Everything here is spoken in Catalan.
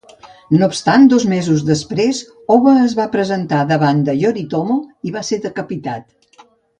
No obstant, dos mesos després, Oba es va presentar davant Yoritomo i va ser decapitat.